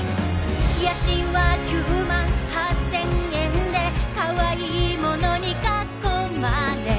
「家賃は９８０００円でかわいいモノに囲まれ」